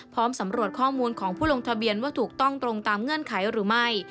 สำรวจข้อมูลของผู้ลงทะเบียนว่าถูกต้องตรงตามเงื่อนไขหรือไม่